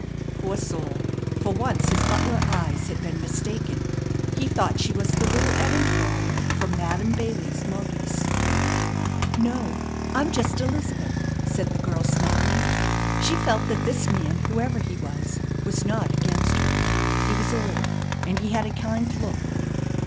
Poor soul, for once his butler eyes had been mistaken. He thought she was the little errand girl from Madam Bailey's modiste. "No, I'm just Elizabeth," said the girl, smiling. She felt that this man, whoever he was, was not against her. He was old, and he had a kind look.